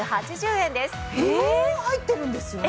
羽毛入ってるんですよね？